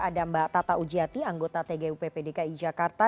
ada mbak tata ujiati anggota tgu ppdki jakarta